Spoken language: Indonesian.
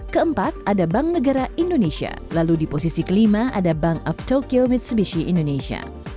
ke empat ada bank negara indonesia lalu di posisi ke lima ada bank of tokyo mitsubishi indonesia